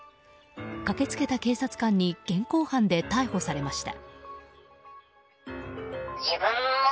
駆けつけた警察官に現行犯で逮捕されました。